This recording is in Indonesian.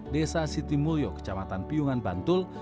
desa siti mulyo kecamatan piungan bantul